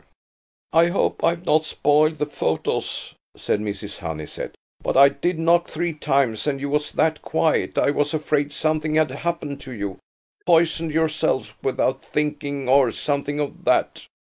"I hope I've not spoiled the photos," said Mrs. Honeysett; "but I did knock three times, and you was that quiet I was afraid something had happened to you–poisoned yourselves without thinking, or something of that."